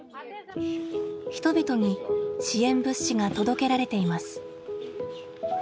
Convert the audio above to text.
人々に支援物資が届けられています。